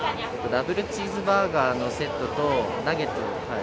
ダブルチーズバーガーのセットとナゲットを。